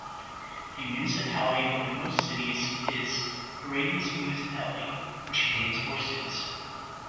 The municipality with the most cities is Paredes Municipality, which contains four cities.